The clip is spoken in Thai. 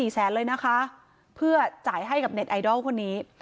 แสนเลยนะคะเพื่อจ่ายให้กับเน็ตไอดอลคนนี้